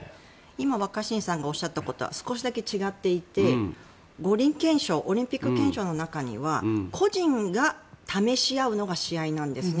今、若新さんがおっしゃったことは少しだけ違っていて五輪憲章オリンピック憲章の中には個人が試し合うのが試合なんですね。